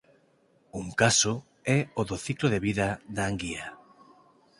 Un caso é o do ciclo de vida da anguía.